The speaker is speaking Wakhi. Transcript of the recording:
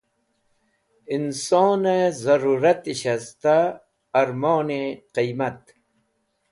In sonẽ zẽrũrati shasta ẽrmoni qiymat.